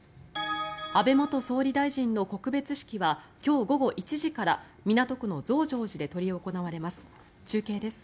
安倍元総理大臣の告別式は今日午後１時から港区の増上寺で執り行われます。